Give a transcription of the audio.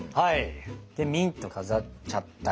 でミント飾っちゃったり。